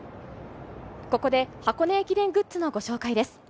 ここで箱根駅伝グッズのご紹介です。